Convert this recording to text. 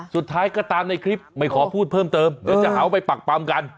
สุดท้ายก็ตามในคลิปไม่ขอพูดเพิ่มเติมเดี๋ยวจะหาว่าไปปักปำกัน